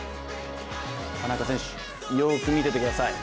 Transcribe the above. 田中選手、よく見ててください。